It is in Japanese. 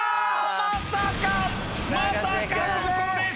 まさかまさかここで失敗！